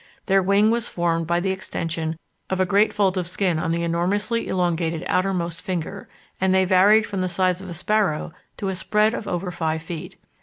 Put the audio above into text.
Their wing was formed by the extension of a great fold of skin on the enormously elongated outermost finger, and they varied from the size of a sparrow to a spread of over five feet.